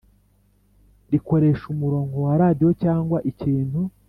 rikoresha umurongo wa radiyo cyangwa ikintu